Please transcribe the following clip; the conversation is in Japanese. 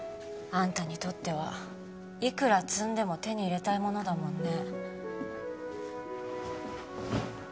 あんたにとってはいくら積んでも手に入れたいものだもんね